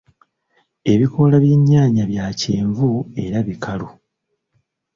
Ebikoola by'ennyaanya bya kyenvu era bikalu.